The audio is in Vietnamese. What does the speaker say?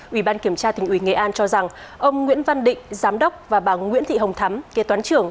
ubktq nghệ an cho rằng ông nguyễn văn định giám đốc và bà nguyễn thị hồng thắm kê toán trưởng